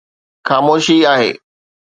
خاموشي آهي.